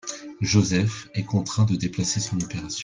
Joseph est contraint de déplacer son opération.